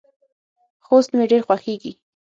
خوست مې ډیر خوښیږي.